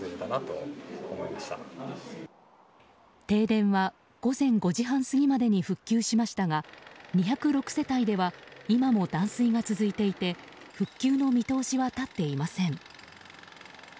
停電は午前５時半過ぎまでに復旧しましたが２０６世帯では今も断水が続いていて復旧の見通しは立っていません。